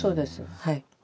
はい。